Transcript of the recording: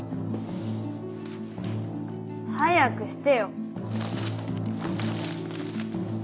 早くしてよ。